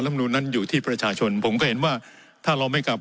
มนุนนั้นอยู่ที่ประชาชนผมก็เห็นว่าถ้าเราไม่กลับ